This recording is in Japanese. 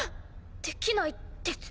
できないです。